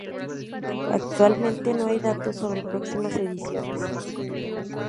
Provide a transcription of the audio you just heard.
Actualmente no hay datos sobre próximas ediciones.